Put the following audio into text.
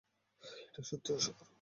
এটা সত্যিই অসাধারণ।